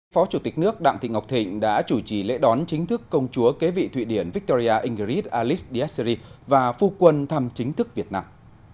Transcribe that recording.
phó chủ tịch nước đặng thị ngọc thịnh đã chủ trì lễ đón chính thức công chúa kế vị thụy điển victoria angrid alid diesel và phu quân thăm chính thức việt nam